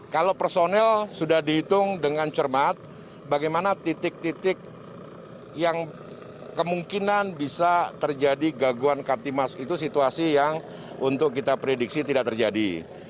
kalau personel sudah dihitung dengan cermat bagaimana titik titik yang kemungkinan bisa terjadi gangguan katimas itu situasi yang untuk kita prediksi tidak terjadi